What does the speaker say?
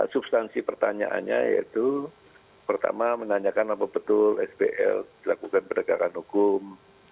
substansi pertanyaannya yaitu pertama menanyakan apa betul sbl dilakukan penegakan hukum